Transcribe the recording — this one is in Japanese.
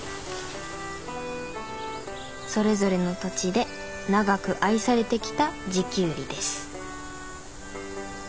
それぞれの土地で長く愛されてきた地キュウリです。